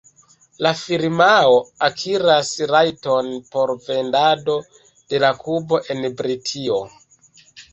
La firmao akiras rajton por vendado de la kubo en Britio.